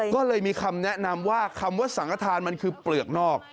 ก็เลยมีคำแนะนำว่าคำว่าสังฆฐานมันคือเปลือกนอก